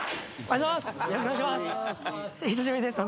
お久しぶりです